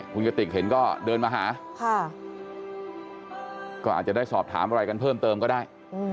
คุณกติกเห็นก็เดินมาหาก็อาจจะได้สอบถามอะไรกันเพิ่มเติมก็ได้